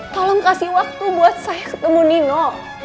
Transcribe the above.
tolong kasih waktu buat saya ketemu nino